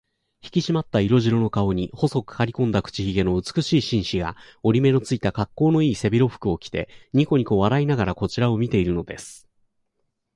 ひきしまった色白の顔に、細くかりこんだ口ひげの美しい紳士が、折り目のついた、かっこうのいい背広服を着て、にこにこ笑いながらこちらを見ているのです。